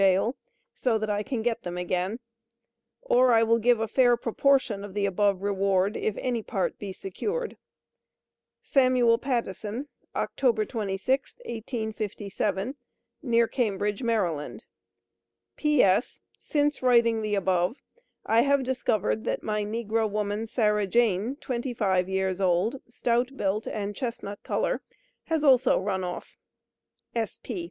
Jail, so that I can get them again; or I will give a fair proportion of the above reward if any part be secured. SAMUEL PATTISON, October 26, 1857. Near Cambridge, Md. P.S. Since writing the above, I have discovered that my negro woman, SARAH JANE, 25 years old, stout built and chestnut color, has also run off.